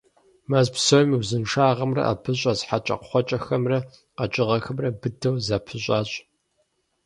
Мэз псом и узыншагъэмрэ абы щӏэс хьэкӏэкхъуэкӏэхэмрэ къэкӏыгъэхэмрэ быдэу зэпыщӀащ.